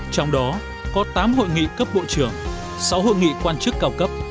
trong đó có tám hội nghị cấp bộ trưởng sáu hội nghị quan chức cao cấp